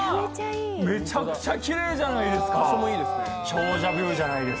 めちゃくちゃ奇麗じゃないですか。